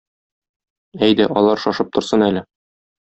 Әйдә алар шашып торсын әле.